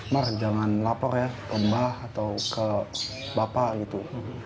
mar jangan lapor ya ke mbah atau ke bapak gitu